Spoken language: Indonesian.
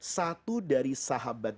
satu dari sahabat